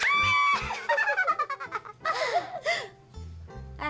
gak ingin diterima